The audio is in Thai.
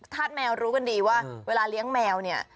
ธาตุแมวรู้กันดีว่าเวลาเลี้ยงแมวเนี่ย